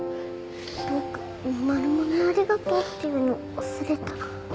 僕マルモにありがとうって言うの忘れた。